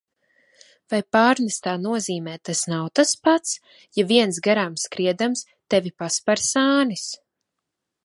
Vai pārnestā nozīmē tas nav tas pats, ja viens, garām skriedams, tevi pasper sānis?